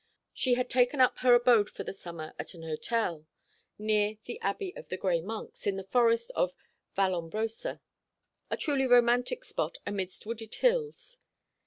She had taken up her abode for the summer at an hotel near the Abbey of the Gray Monks, in the forest of Vallombrosa, a truly romantic spot amidst wooded hills.